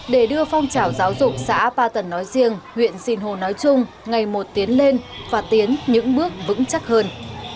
để đưa phong trào giáo dục xã ba tần nói riêng huyện sinh hồ nói chung ngày một tiến lên và tiến những bước vững chắc hơn